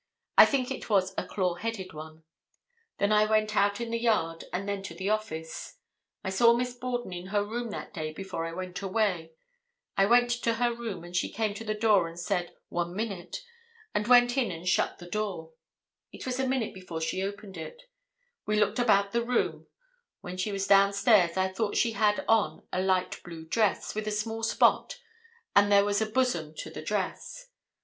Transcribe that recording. I think it was a claw headed one. Then I went out in the yard and then to the office; I saw Miss Borden in her room that day before I went away; I went to her room and she came to the door and said 'One minute,' and went in and shut the door; It was a minute before she opened it; we looked about the room; when she was down stairs I thought she had on a light blue dress, with a small spot, and there was a 'bosom' to the dress.